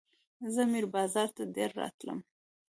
زه میر بازار ته ډېر راتلم.